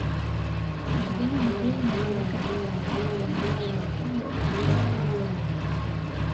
Mapigano makali yanaendelea kati ya wanajeshi wa Kongo na waasi licha ya makubaliano ya Angola